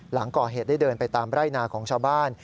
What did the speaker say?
หลังก่อเหตุได้เดินไปตามไร่นาของชาวบ้าน